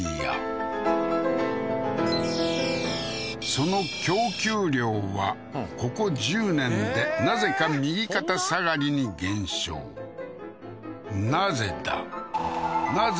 その供給量はここ１０年でなぜか右肩下がりに減少なぜ？